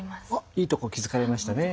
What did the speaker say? いいとこ気付かれましたね。